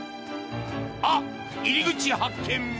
あっ、入り口発見！